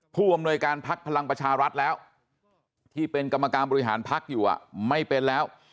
ผู้อำนวยการพักพลังประชารัฐแล้วที่เป็นกรรมการบริหารพักอยู่ไม่เป็นแล้ว